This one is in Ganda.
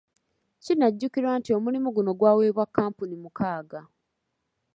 Kinajjukirwa nti omulimu guno gwaweebwa kkampuni mukaaga.